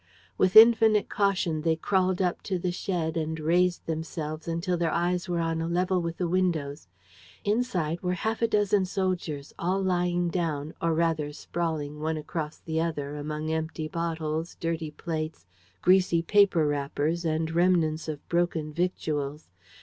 With infinite caution they crawled up to the shed and raised themselves until their eyes were on a level with the windows. Inside were half a dozen soldiers, all lying down, or rather sprawling one across the other, among empty bottles, dirty plates, greasy paper wrappers and remnants of broken victuals.